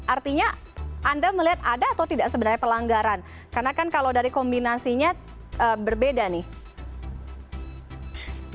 artinya anda melihat ada atau tidak sebenarnya pelanggaran karena kan kalau dari kombinasinya berbeda nih